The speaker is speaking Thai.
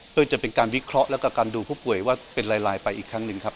เพื่อจะเป็นการวิเคราะห์แล้วก็การดูผู้ป่วยว่าเป็นลายไปอีกครั้งหนึ่งครับ